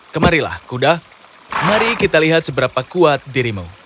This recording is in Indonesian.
kemarilah kuda mari kita lihat seberapa kuat dirimu